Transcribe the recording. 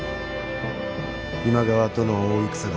今川との大戦が。